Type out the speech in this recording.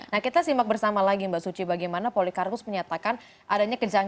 nah kita simak bersama lagi mbak suci bagaimana polikarpus menyatakan adanya kejahatan